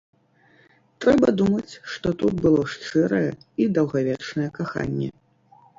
Трэба думаць, што тут было шчырае і даўгавечнае каханне.